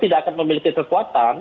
tidak akan memiliki kekuatan